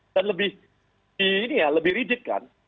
dan lebih rigid kan